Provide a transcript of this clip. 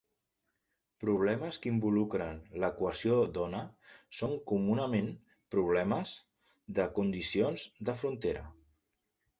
Problemes que involucren l'equació d'ona són comunament problemes de condicions de frontera.